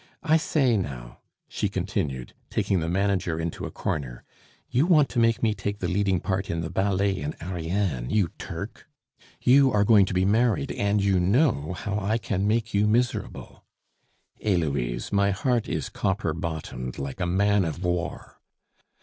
I say, now," she continued, taking the manager into a corner, "you want to make me take the leading part in the ballet in Ariane, you Turk. You are going to be married, and you know how I can make you miserable " "Heloise, my heart is copper bottomed like a man of war."